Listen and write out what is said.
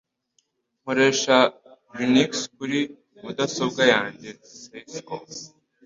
Nkoresha Linux kuri mudasobwa yanjye (sysko)